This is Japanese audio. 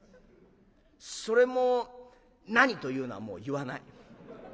それも何というのはもう言わない。